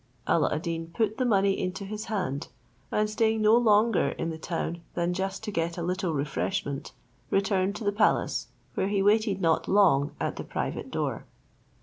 Alla ad Deen put the money into his hand, and staying no longer in the town than just to get a little refreshment, returned to the palace, where he waited not long at the private door.